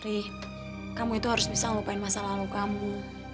ri kamu itu harus bisa ngelupain masa lalu kamu